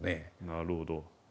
なるほど。